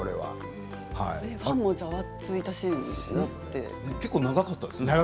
ファンもざわついた結構、長かったですね。